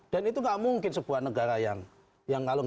dan itu gak mungkin sebuah negara yang gak bisa